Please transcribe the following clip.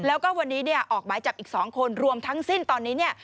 แล้วก็วันนี้ออกไม้จับอีก๒คนรวมทั้งสิ้นตอนนี้